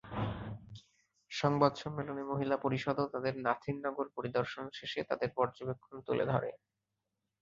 সংবাদ সম্মেলনে মহিলা পরিষদও তাদের নাসিরনগর পরিদর্শন শেষে তাদের পর্যবেক্ষণ তুলে ধরে।